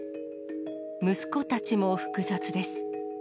息子たちも複雑です。